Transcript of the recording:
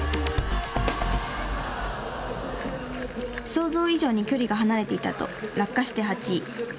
想像以上に距離が離れていたと落下して８位。